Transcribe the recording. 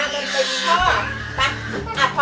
มันเป็นพ่อนะ